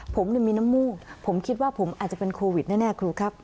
ผมมีน้ำมูกผมคิดว่าผมอาจจะเป็นโควิดแน่ครูครับ